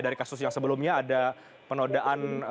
dari kasus yang sebelumnya ada penodaan